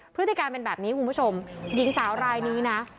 พฤติการเป็นแบบนี้คุณผู้ชมหญิงสาวรายนี้นะ